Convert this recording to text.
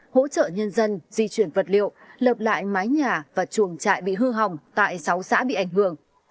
hỗ trợ nhân dân di chuyển vật liệu lập lại mái nhà và chuồng trại bị hư hỏng tại sáu xã bị ảnh hưởng